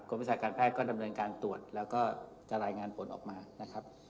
วิชาการแพทย์ก็ดำเนินการตรวจแล้วก็จะรายงานผลออกมานะครับ